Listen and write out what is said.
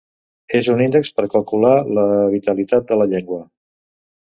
És un índex per calcular la vitalitat de la llengua.